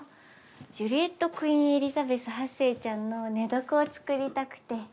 ジュリエット・クイーン・エリザベス８世ちゃんの寝床を作りたくて。